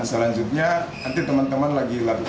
selanjutnya nanti teman teman lagi